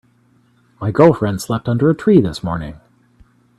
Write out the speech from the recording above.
My girlfriend slept under a tree this morning.